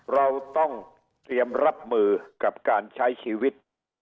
เราต้องเตรียมรับมือกับการใช้ชีวิต